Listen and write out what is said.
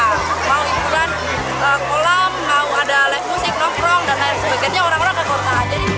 mau hiburan kolam mau ada leku singkong dan lain sebagainya orang orang ke kota